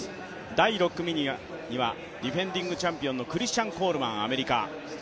第６組には、ディフェンディングチャンピオンのクリスチャン・コールマン、アメリカ。